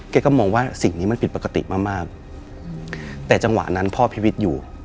ก็มองว่าสิ่งนี้มันผิดปกติมากมากแต่จังหวะนั้นพ่อพิวิทย์อยู่